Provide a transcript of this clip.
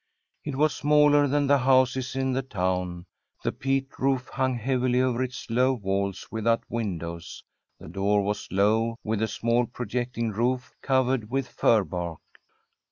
It was smaller than the houses in the town; the peat roof hung heavily over its low walls without windows ; the door was low, with a small projecting roof covered with fir bark.